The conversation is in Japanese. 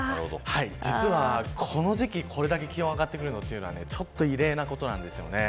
実はこの時期、これだけ気温が上がってくるというのはちょっと異例なことなんです。